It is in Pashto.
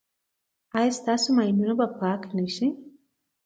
ایا ستاسو ماینونه به پاک نه شي؟